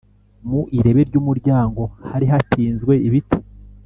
mu irebe ry umuryango hari hatinzwe ibiti